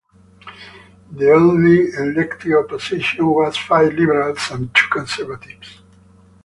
The only elected opposition was five Liberals and two Conservatives.